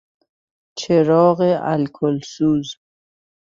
چراغ الکلسوز